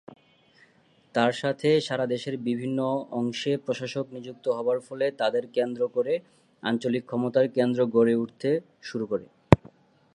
তার সাথে সারা দেশের বিভিন্ন অংশে প্রশাসক নিযুক্ত হবার ফলে তাদের কেন্দ্র করে আঞ্চলিক ক্ষমতার কেন্দ্র গড়ে উঠতে শুরু করে।